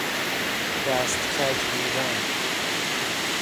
دست کج بودن